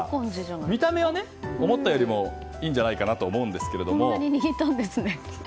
見た目はね、思ったよりもいいんじゃないかなと思うんですけれども。